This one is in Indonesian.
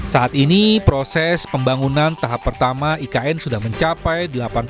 saat ini proses pembangunan tahap pertama ikn sudah mencapai delapan puluh